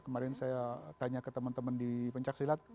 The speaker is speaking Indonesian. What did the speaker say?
kemarin saya tanya ke teman teman di pencak silat